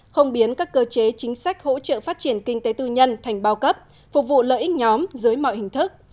không biến các cơ chế chính sách hỗ trợ phát triển kinh tế tư nhân thành bao cấp phục vụ lợi ích nhóm dưới mọi hình thức